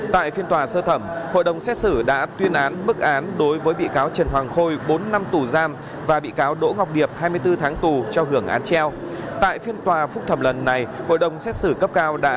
trong đó bị cáo đỗ ngọc điệp đã ký ba mươi hai quyết định bị cáo trần hoàng khôi ký một trăm linh quyết định cho phép chuyển đổi mục đích sử dụng đất trái pháp luật gây thiệt hại ngân sách nhà nước